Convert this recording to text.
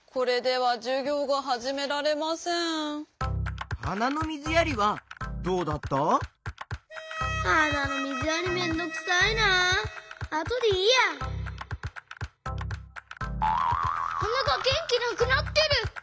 はながげんきなくなってる！